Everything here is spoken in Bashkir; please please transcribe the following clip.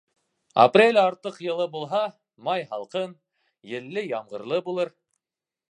Апрель артыҡ йылы булһа, май һалҡын, елле-ямғырлы булыр.